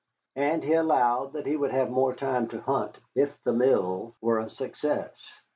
And he allowed that he would have the more time to hunt if the mill were a success.